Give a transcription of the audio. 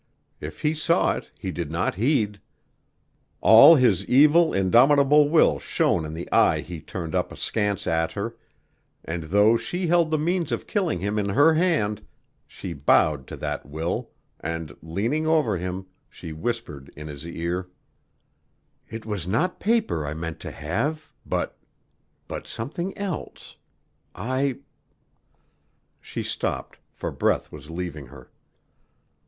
If he saw it he did not heed. All his evil, indomitable will shone in the eye he turned up askance at her, and though she held the means of killing him in her hand, she bowed to that will, and leaning over him, she whispered in his ear: "It was not paper I meant to have, but but something else I " She stopped, for breath was leaving her.